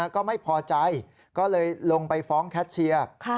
ก็ไม่พอใจก็เลยลงไปฟ้องแคชเชียร์